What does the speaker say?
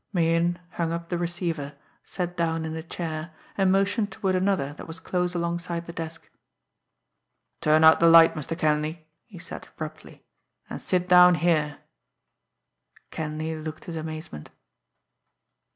Meighan hung up the receiver, sat down in a chair, and motioned toward another that was close alongside the desk. "Turn out the light, Mr. Kenleigh," he said abruptly; "and sit down here." Kenleigh looked his amazement.